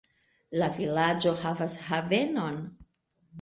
La vilaĝo havas havenon.